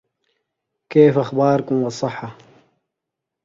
The ghetto in Kovno provided forced labor for the German military.